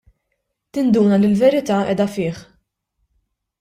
Tinduna li l-verità qiegħda fih.